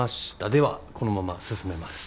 ではこのまま進めます。